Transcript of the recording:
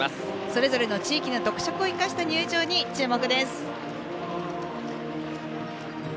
それぞれの地域の特色を生かした入場に注目です。